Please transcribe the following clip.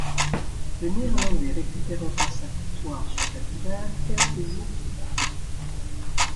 Le Néerlandais récupérera sa victoire sur tapis vert quelques jours plus tard.